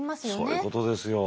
そういうことですよ。